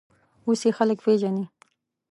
اوس یې خلک پېژني.